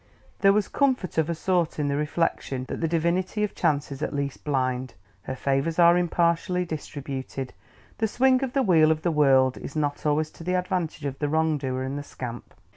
There was comfort of a sort in the reflection that the divinity of chance is at least blind; her favors are impartially distributed; the swing of the wheel of the world is not always to the advantage of the wrongdoer and the scamp.